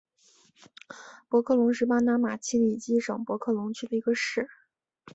博克龙是巴拿马奇里基省博克龙区的一个市。